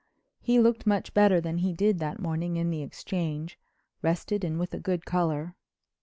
He looked much better than he did that morning in the Exchange; rested and with a good color.